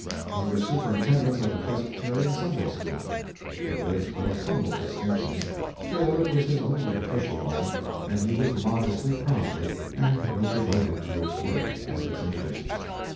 He was superintendent of the Presbyterian Sunday school. It was but a humble distinction; still, it was his only official one, and he was modestly proud of it and was devoted to its work and its interests.